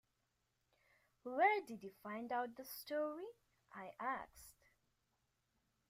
“Where did you find out this story?” I asked.